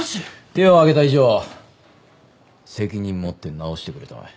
手を挙げた以上責任持って治してくれたまえ。